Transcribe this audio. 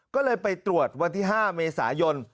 ก็เลยไปตรวจวันที่๕เมษายน